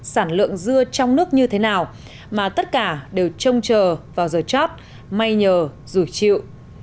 sản lượng dưa trong nước như thế nào mà tất cả đều trông chờ vào giờ chót may nhờ rủi chịu